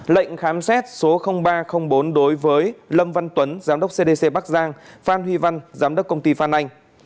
lệnh khám xét số ba trăm linh bốn đối với lâm văn tuấn giám đốc cdc bắc giang phan huy văn giám đốc công ty phan anh